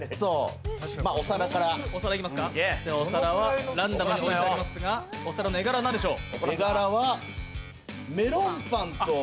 お皿はランダムに並んでいますがお皿の絵柄は何でしょう？